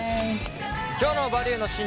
今日の「バリューの真実」